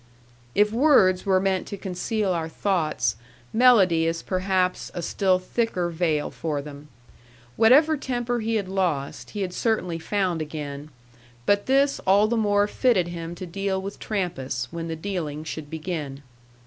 If words were meant to conceal our thoughts, melody is perhaps a still thicker veil for them. Whatever temper he had lost, he had certainly found again; but this all the more fitted him to deal with Trampas, when the dealing should begin.